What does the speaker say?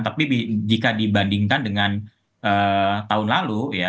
tapi jika dibandingkan dengan tahun lalu ya